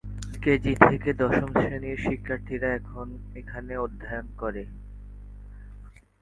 KG থেকে দশম শ্রেণির শিক্ষার্থীরা এখানে অধ্যয়ন করে।